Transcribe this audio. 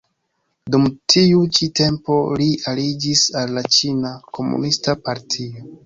Dum tiu ĉi tempo li aliĝis al la Ĉina Komunista Partio.